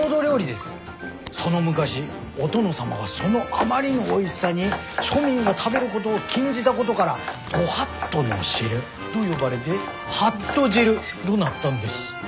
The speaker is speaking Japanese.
その昔お殿様はそのあまりのおいしさに庶民が食べるごどを禁じだごどがら御法度の汁ど呼ばれではっと汁どなったんです。